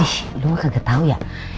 ih lu gak ketau ya